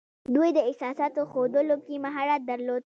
دوی د احساساتو ښودلو کې مهارت درلود